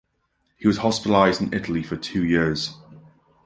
He was hospitalized in Italy for two years.